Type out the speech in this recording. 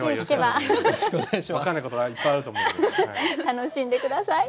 楽しんで下さい。